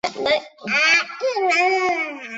官至都御史。